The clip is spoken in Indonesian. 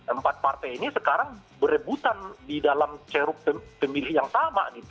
empat partai ini sekarang berebutan di dalam ceruk pemilih yang sama